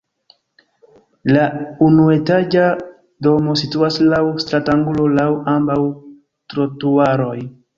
La unuetaĝa domo situas laŭ stratangulo laŭ ambaŭ trotuaroj.